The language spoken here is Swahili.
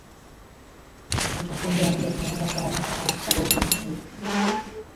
zinazochafua hewa pia zinaweza kuwa hatari sana Kaboni monoksidi